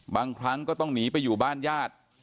บางครั้งก็ต้องหนีไปอยู่บ้านญาติ